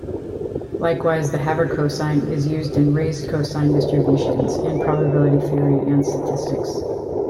Likewise, the havercosine is used in raised-cosine distributions in probability theory and statistics.